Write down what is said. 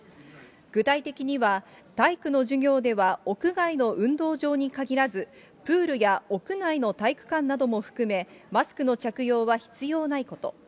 具体的には体育の授業では屋外の運動場にかぎらず、プールや屋内の体育館なども含め、マスクの着用は必要ないこと。